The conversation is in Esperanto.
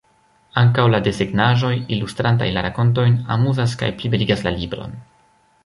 Ankaŭ la desegnaĵoj, ilustrantaj la rakontojn, amuzas kaj plibeligas la libron.